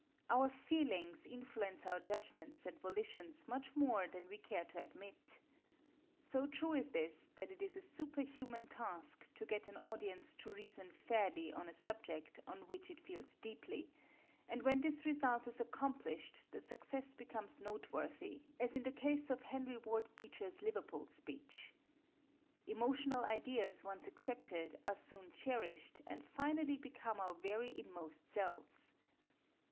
Our feelings influence our judgments and volitions much more than we care to admit. So true is this that it is a superhuman task to get an audience to reason fairly on a subject on which it feels deeply, and when this result is accomplished the success becomes noteworthy, as in the case of Henry Ward Beecher's Liverpool speech. Emotional ideas once accepted are soon cherished, and finally become our very inmost selves.